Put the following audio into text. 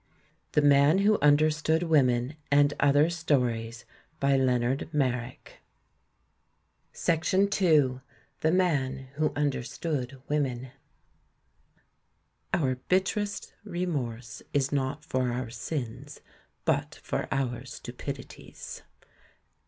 THE MAN WHO UNDERSTOOD WOMEN AND OTHER STORIES THE MAN WHO UNDERSTOOD WOMEN "Our bitterest remorse is not for our sins, but for our stupidities."